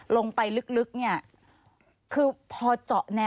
สวัสดีค่ะที่จอมฝันครับ